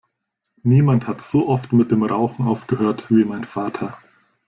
Niemand hat so oft mit dem Rauchen aufgehört wie mein Vater.